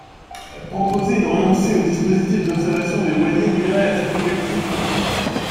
Proposer de renoncer au dispositif d’observation des loyers nuirait à cet objectif.